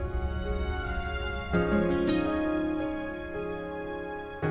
sampai jumpa lagi